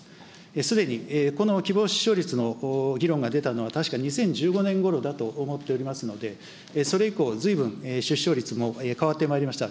すでにこの希望出生率の議論が出たのはたしか２０１５年ごろだと思っておりますので、それ以降、ずいぶん出生率も変わってまいりました。